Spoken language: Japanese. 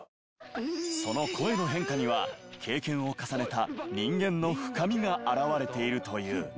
その声の変化には経験を重ねた人間の深みが表れているという。